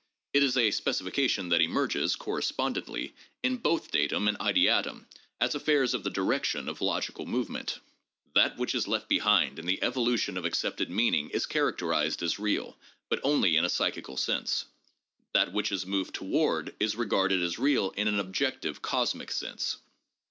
It is a specification that emerges, correspondently, in both datum and ideatum, as affairs of the direction of logical move ment. That which is left behind in the evolution of accepted mean ing is characterized as real, but only in a psychical sense ; that which is moved toward is regarded as real in an objective, cosmic sense."